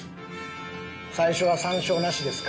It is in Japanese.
最初は山椒なしですか？